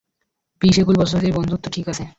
বিশ একুশ বছরে বন্ধুত্ব ঠিক আছে।